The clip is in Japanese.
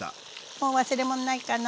もう忘れ物ないかな？